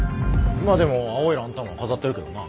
今でも青いランタンは飾ってるけどな。